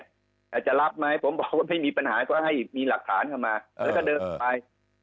จะรับไหมผมบอกว่าไม่มีปัญหาก็ให้มีหลักฐานเข้ามาแล้วก็เดินไป